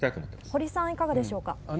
堀さん、いかがでしょうか？